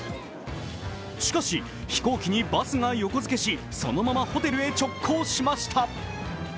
しかし、飛行機にバスが横付けしそのままホテルへ直行しました。